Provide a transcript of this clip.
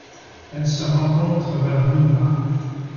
Elle se rencontre vers Numas.